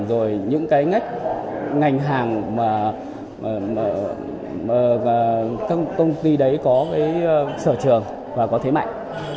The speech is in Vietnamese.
rồi những ngành hàng mà các công ty đấy có sở trường và có thế mạnh